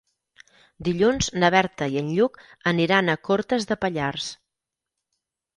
Dilluns na Berta i en Lluc aniran a Cortes de Pallars.